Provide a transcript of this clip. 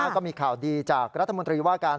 ก็มีข่าวดีจากรัฐมนตรีว่าการ